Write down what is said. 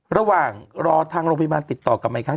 ระหว่างรอทางโรงพยาบาลติดต่อกลับมาอีกครั้ง